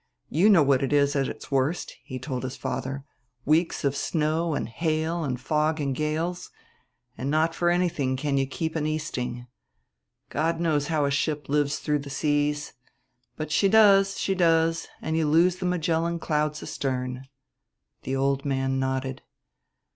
You know what it is at its worst," he told his father; "weeks of snow and hail and fog and gales; and not for anything can you keep an easting. God knows how a ship lives through the seas; but she does, she does, and you lose the Magellan clouds astern." The old man nodded.